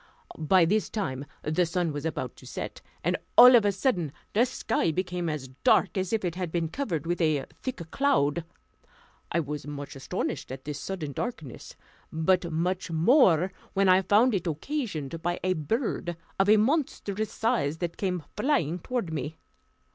By this time the sun was about to set, and all of a sudden the sky became as dark as if it had been covered with a thick cloud. I was much astonished at this sudden darkness, but much more when I found it occasioned by a bird of a monstrous size, that came flying toward me.